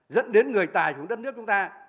dẫn đến người tài của đất nước chúng ta